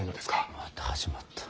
また始まった。